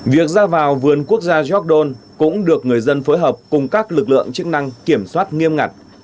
việc ra vào vườn quốc gia gióc đôn cũng được người dân phối hợp cùng các lực lượng chức năng kiểm soát nghiêm ngặt